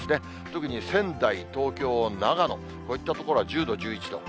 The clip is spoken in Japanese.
特に仙台、東京、長野、こういった所は１０度、１１度。